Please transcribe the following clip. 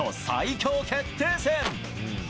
最強決定戦。